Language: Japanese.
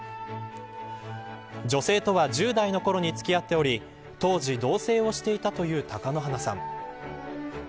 女性とは１０代のころに付き合っており当時、同棲をしていたという貴乃花さん。